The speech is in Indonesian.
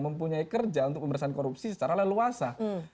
mempunyai kerja untuk pemerintahan korupsi secara leluasa